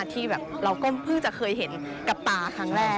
ที่แบบเราก็เพิ่งจะเคยเห็นกับตาครั้งแรก